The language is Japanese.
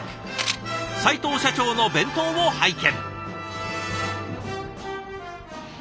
齋藤社長の弁当を拝見。